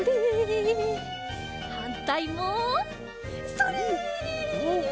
はんたいもそれ！